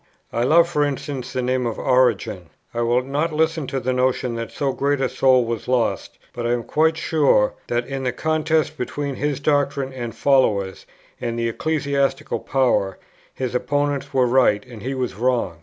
I love, for instance, the name of Origen: I will not listen to the notion that so great a soul was lost; but I am quite sure that, in the contest between his doctrine and followers and the ecclesiastical power, his opponents were right, and he was wrong.